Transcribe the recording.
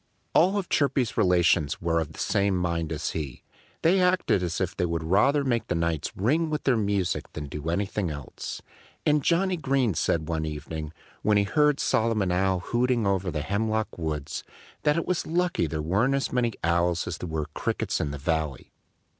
All Chirpy's relations were of the same mind as he. They acted as if they would rather make the nights ring with their music than do anything else. And Johnnie Green said one evening, when he heard Solomon Owl hooting over in the hemlock woods, that it was lucky there weren't as many Owls as there were Crickets in the valley.